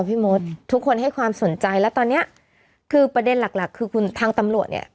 รับท่อพี่โมชทุกคนให้ความสนใจและตอนนี้คือประเด็นหลักคือคุณทางตำรวจเนี่ย